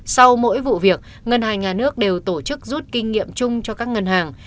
sau mỗi vụ việc ngân hàng nhà nước đều tổ chức rút kinh nghiệm chung cho các ngân hàng